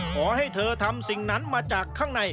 ขอให้เธอทำสิ่งนั้นมาจากข้างใน